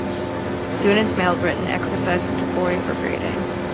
Students mailed written exercises to Cory for grading.